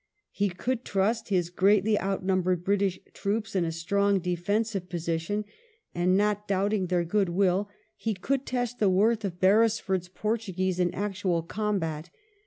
He could trust his greatly outnumbered British troops in a strong defensive position, and, not doubting their good will, he 136 WELLINGTON could test the worth of Beresford's Portuguese in actual combat.